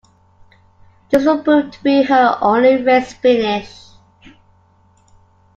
This would prove to be her only race finish.